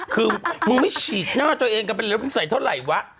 คือมึงไม่ฉีกหน้าตัวเองกันไปเลยมึงใส่เท่าไหร่วะ